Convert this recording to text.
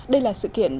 đây là sự kiến thức